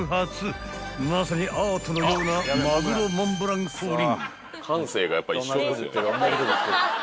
［まさにアートのようなまぐろモンブラン降臨］